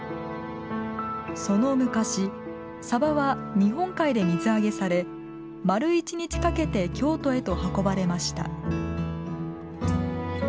その昔は日本海で水揚げされ丸一日かけて京都へと運ばれました